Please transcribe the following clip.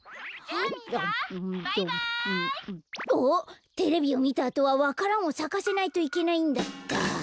あっテレビをみたあとはわか蘭をさかせないといけないんだった。